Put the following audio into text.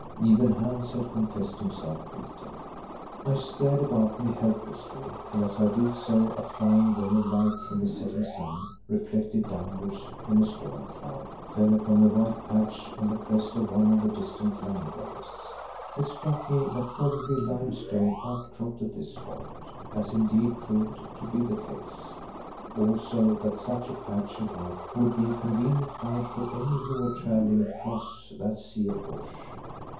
Even Hans had confessed himself beaten. I stared about me helplessly, and as I did so a flying ray of light from the setting sun reflected downwards from a storm cloud, fell upon a white patch on the crest of one of the distant land waves. It struck me that probably limestone outcropped at this spot, as indeed proved to be the case; also that such a patch of white would be a convenient guide for any who were travelling across that sea of bush.